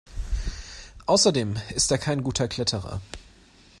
Außerdem ist er kein guter Kletterer.